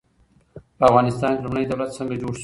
په افغانستان کې لومړنی دولت څنګه جوړ سو؟